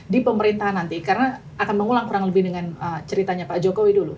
di pemerintahan nanti karena akan mengulang kurang lebih dengan ceritanya pak jokowi dulu